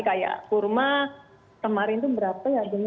kayak kurma kemarin itu berapa ya harganya